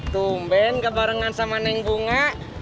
tumben kebarengan sama neng bunga